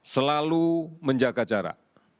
selalu menjaga jarak